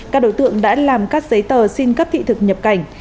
các đối tượng đã làm các giấy tờ xin cấp thị thực nhập cảnh